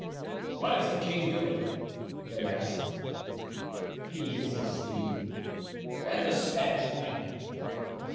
"What is the king doing?" they asked. "He is asleep." "And the Spanish woman?"